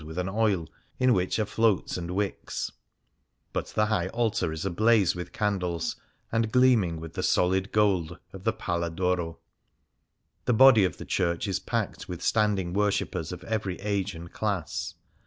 115 Things Seen in Venice which are floats and wicks ; but the High Altar is ablaze with candles, and gleaming with the solid gold of the Pala d' Oro. The body of the church is packed with standing worshippers of every age and class.